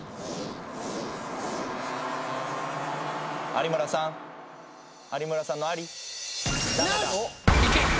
有村さん有村さんの「あり」